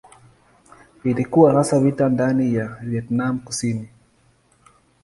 Ilikuwa hasa vita ndani ya Vietnam Kusini.